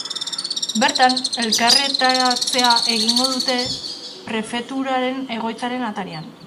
Bertan, elkarretaratzea egingo dute prefeturaren egoitzaren atarian.